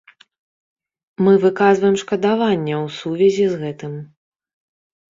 Мы выказваем шкадаванне ў сувязі з гэтым.